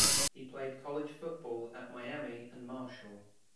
He played college football at Miami and Marshall.